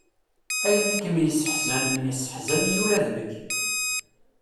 Ayen i kem-yesseḥzanen, yesseḥzan-iyi ula d nekk.